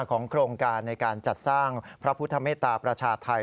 ของโครงการในการจัดสร้างพระพุทธเมตตาประชาไทย